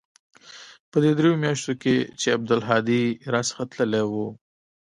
په دې درېو مياشتو کښې چې عبدالهادي را څخه تللى و.